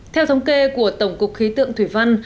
theo thống kê của tổng cục khí tượng thủy văn